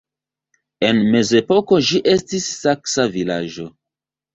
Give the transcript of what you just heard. En mezepoko ĝi estis saksa vilaĝo.